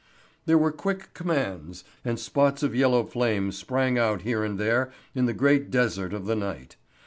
There were quick commands, and spots of yellow flame sprang out here and there in the great desert of the night.